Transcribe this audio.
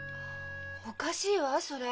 おかしいわそれ。